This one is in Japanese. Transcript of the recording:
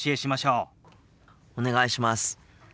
お願いします。